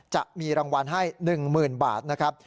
จะมีรางวัลให้๑๐๐๐บาทนะครับ